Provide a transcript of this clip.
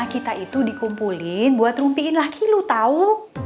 kita itu dikumpulin buat rumpiin laki lu tau